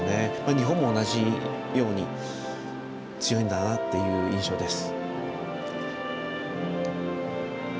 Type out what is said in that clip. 日本も同じように強いんだなっていう印象です。